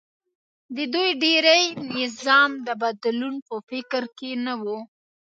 د دوی ډېری د نظام د بدلون په فکر کې نه و